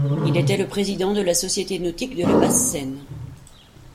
Il état le Président de la Société Nautique de la Basse Seine.